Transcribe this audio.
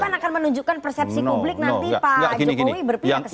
itu kan akan menunjukkan persepsi publik nanti pak jokowi berpilih kesini